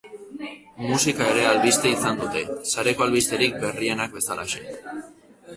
Musika ere albiste izan dute, sareko albisterik berrienak bezalaxe.